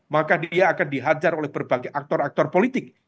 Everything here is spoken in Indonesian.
maka dia akan dihajar oleh berbagai aktor aktor politik